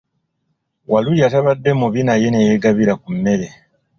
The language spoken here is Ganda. Walulya tabadde mubi naye ne yeegabira ku mmere.